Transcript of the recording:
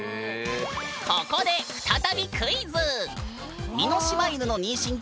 ここで再びクイズ！